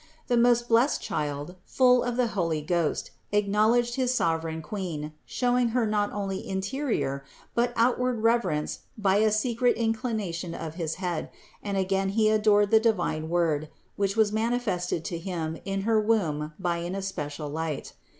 The most blessed child, full of the Holy Ghost, acknowledged his sovereign Queen, showing Her not only interior, but outward reverence by a secret inclination of his head, and again he adored the divine Word, which was manifested to him in her womb by an especial light.